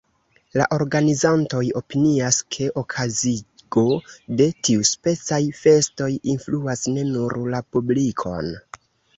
La organizantoj opinias, ke okazigo de tiuspecaj festoj influas ne nur la publikon.